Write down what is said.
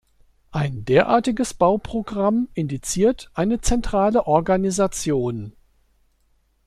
Ein derartiges Bauprogramm indiziert eine zentrale Organisation.